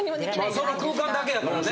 まあその空間だけやからね。